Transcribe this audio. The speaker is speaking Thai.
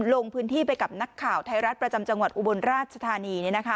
ลงพื้นที่ไปกับนักข่าวไทยรัฐประจำจังหวัดอุบลราชธานี